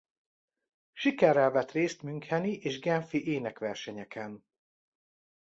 Sikerrel vett részt müncheni és genfi énekversenyeken.